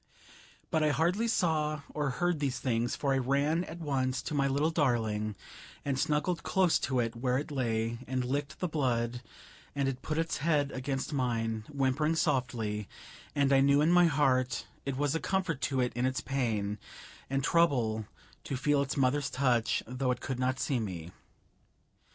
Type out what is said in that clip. But I hardly saw or heard these things, for I ran at once to my little darling, and snuggled close to it where it lay, and licked the blood, and it put its head against mine, whimpering softly, and I knew in my heart it was a comfort to it in its pain and trouble to feel its mother's touch, though it could not see me.